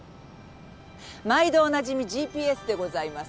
毎度おなじみＧＰＳでございます。